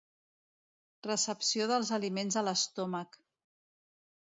Recepció dels aliments a l'estómac.